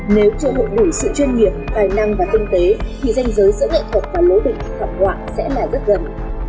nếu chưa hộp đủ sự chuyên nghiệp tài năng và kinh tế thì danh giới giữa nghệ thuật và lối định thẩm họa sẽ là rất gần